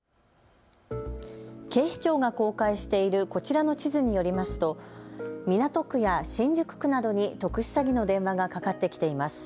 警視庁が公開しているこちらの地図によりますと港区や新宿区などに特殊詐欺の電話がかかってきています。